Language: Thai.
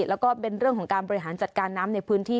แล้วก็เป็นเรื่องของการบริหารจัดการน้ำในพื้นที่